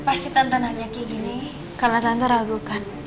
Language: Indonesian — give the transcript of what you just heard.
pasti tante nanya kayak gini karena tante ragu kan